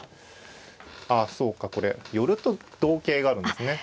あそうかこれ寄ると同桂があるんですね。